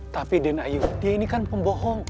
tapi den ayu dia ini kan pembohong